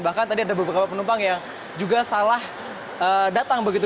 bahkan tadi ada beberapa penumpang yang juga salah datang begitu